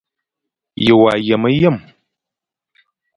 Ye wa yeme yame.